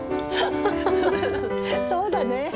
そうだね。